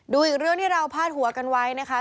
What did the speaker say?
ดูอีกเรื่องที่เราพาดหัวกันไว้นะคะ